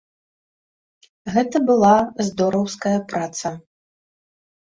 Гэта была здораўская праца!